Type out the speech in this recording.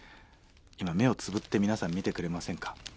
今目をつぶって皆さんみてくれませんか？